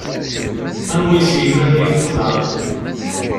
Anwa is-yennan ad iyi-txedɛeḍ?